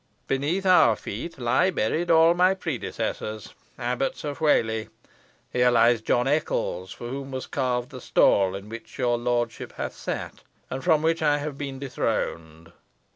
Beneath our feet lie buried all my predecessors Abbots of Whalley. Here lies John Eccles, for whom was carved the stall in which your lordship hath sat, and from which I have been dethroned.